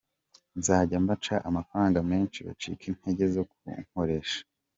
Nzajya mbaca amafaranga menshi bacike intege zo kunkoresha.